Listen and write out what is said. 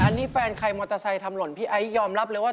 อันนี้แฟนใครมอเตอร์ไซค์ทำหล่นพี่ไอ้ยอมรับเลยว่า